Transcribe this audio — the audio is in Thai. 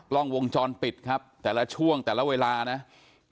ลองวงจรปิดครับแต่ละช่วงแต่ละเวลาเนี่ย